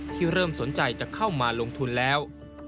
เริ่มสนใจจะเข้ามาลงทุนแล้ว